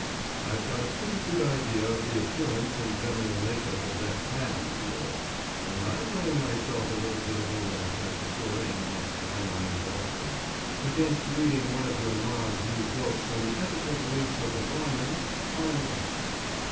I've got a pretty good idea of the appearance and general make up of that "ham" of yours, and I'm laying myself a little bit of a lunch at the Touraine next time I'm in Boston, against reading one of your Ma's new books on the Ethical Beliefs of the Brahmins I'm right.